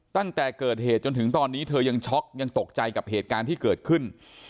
ตั้งแต่เกิดเหตุจนถึงตอนนี้เธอยังช็อกยังตกใจกับเหตุการณ์ที่เกิดขึ้น